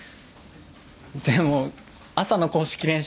でも朝の公式練習